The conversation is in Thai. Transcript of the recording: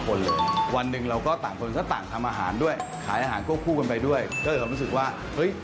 สวัสดีครับผมเองครับ